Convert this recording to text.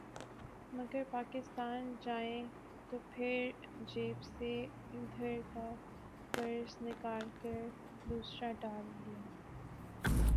مگر پاکستان جائیں تو پھر جیب سے ادھر کا پرس نکال کر دوسرا ڈال لیا